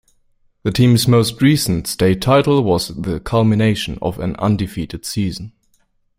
The teams most recent state title was the culmination of an undefeated season.